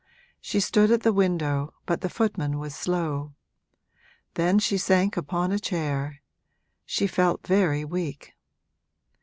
She stood at the window, but the footman was slow; then she sank upon a chair she felt very weak.